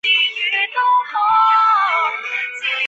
他还曾经两度荣膺金球奖最佳电影音乐奖。